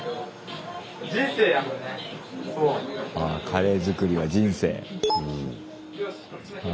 カレー作りは人生。